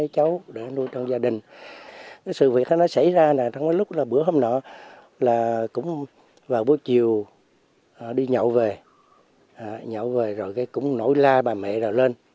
chiều đi nhậu về nhậu về rồi cũng nổi la bà mẹ rồi lên